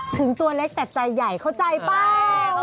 ตัวเล็กแต่ใจใหญ่เข้าใจเปล่า